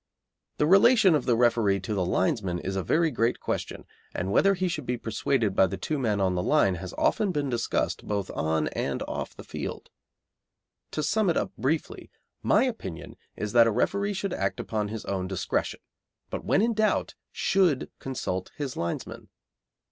The relation of the referee to the linesmen is a very great question, and whether he should be persuaded by the two men on the line has often been discussed both on and off the field. To sum it up briefly, my opinion is that a referee should act upon his own discretion, but when in doubt should consult his linesmen.